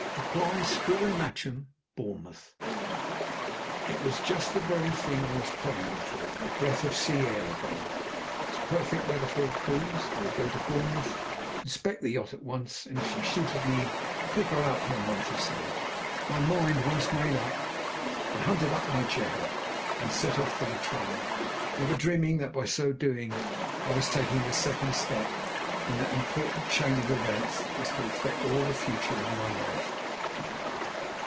Apply, SCREW & MATCHEM, Bournemouth." It was just the very thing. I was pining for a breath of sea air again. It was perfect weather for a cruise. I would go to Bournemouth, inspect the yacht at once, and, if she suited me, take her for a month or so. My mind once made up, I hunted up my Jehu and set off for the train, never dreaming that by so doing I was taking the second step in that important chain of events that was to affect all the future of my life.